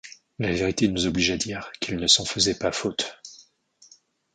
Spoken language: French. La vérité nous oblige a dire qu’ils ne s’en faisaient pas faute.